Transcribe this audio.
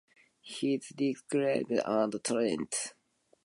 His dedication and talent earned him a spot in the Soviet space program.